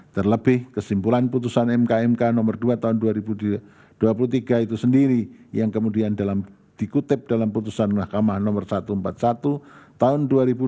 terlebih kesimpulan putusan mkmk nomor dua tahun dua ribu dua puluh tiga itu sendiri yang kemudian dikutip dalam putusan mahkamah nomor satu ratus empat puluh satu tahun dua ribu dua puluh